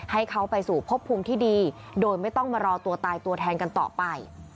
ให้เขาไปสู่พบภูมิที่ดีโดยไม่ต้องมารอตัวตายตัวแทนกันต่อไป